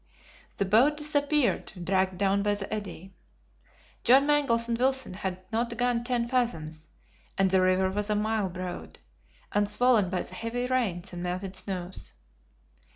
The boat disappeared, dragged down by the eddy. John Mangles and Wilson had not gone ten fathoms, and the river was a mile broad, and swollen by the heavy rains and melted snows.